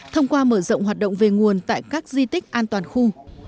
thông qua mở rộng hoạt động về nguồn tại các di tích an toàn khu